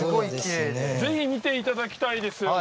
ぜひ見ていただきたいです。